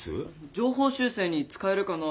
情報修正に使えるかなと思って。